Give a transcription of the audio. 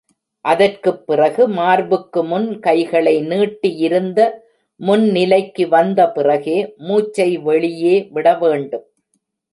அதற்குப் பிறகு, மார்புக்கு முன் கைகளை நீட்டியிருந்த முன் நிலைக்கு வந்த பிறகே, மூச்சை வெளியே விட வேண்டும்.